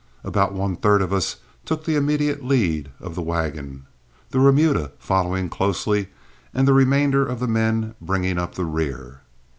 About one third of us took the immediate lead of the wagon, the remuda following closely, and the remainder of the men bringing up the rear.